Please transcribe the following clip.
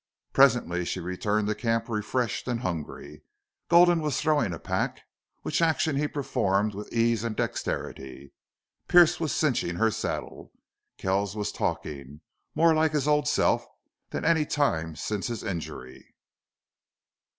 Presently she returned to camp refreshed and hungry. Gulden was throwing a pack, which action he performed with ease and dexterity. Pearce was cinching her saddle. Kells was talking, more like his old self than at any time since his injury.